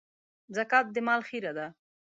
زکات د مال خيره ده.